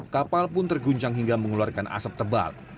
kapal pun terguncang hingga mengeluarkan asap tebal